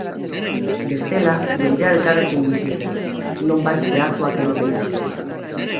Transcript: Bestela, jendea elkarrekin bizi zen, nonbait behartuak ere baitziren.